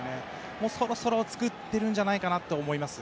もうそろそろ作っているんじゃないかと思います。